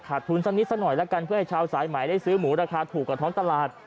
ทุนสักนิดสักหน่อยแล้วกันเพื่อให้ชาวสายใหม่ได้ซื้อหมูราคาถูกกว่าท้องตลาด